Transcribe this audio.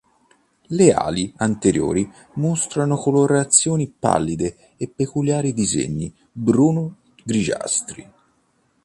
Le ali anteriori mostrano colorazioni pallide e peculiari disegni bruno-grigiastri.